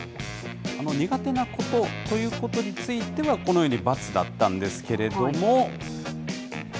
苦手なことということについては、このように×だったんです